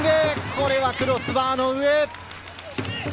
これはクロスバーの上。